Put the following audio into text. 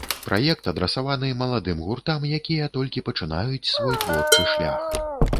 Праект адрасаваны маладым гуртам, якія толькі пачынаюць свой творчы шлях.